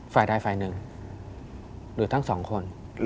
ฝ่ายใดฝ่ายหนึ่งหรือทั้งสองคน